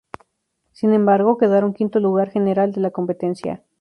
Sin embargo, quedaron quinto lugar general de la competencia.